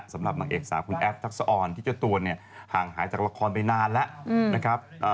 สำหรับนางเอกสาวคุณแอฟทักษะอ่อนที่เจ้าตัวเนี่ยห่างหายจากละครไปนานแล้วนะครับ